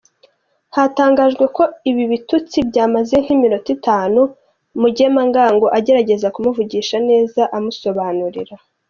Hatangajwe ko ibi bitutsi byamaze nk’iminota itanu, Mugemangango agerageza kumuvugisha neza, amusobanurira.